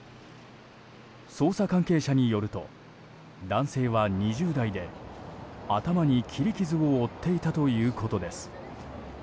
捜査関係者によると男性は２０代で頭に切り傷を負っていたということです。